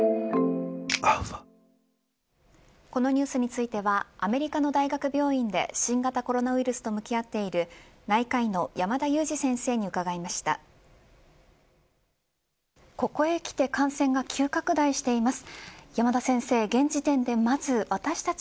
このニュースについてはアメリカの大学病院で新型コロナウイルスと向き合っている内科医の山田悠史先生に伺いました。